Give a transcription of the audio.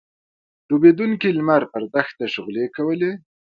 ډوبېدونکی لمر پر دښته شغلې کولې.